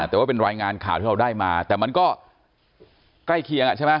แต่ว่าเป็นรายงานข่าวที่เราได้มาแต่มันก็ใกล้เคียงใช่ไหม